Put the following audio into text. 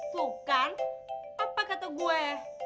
tuh kan apa kata gue